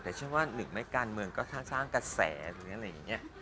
แต่ฉันว่าหนึ่งไม่การเมืองก็ถ้าสร้างกระแสหรืออะไรอย่างนี้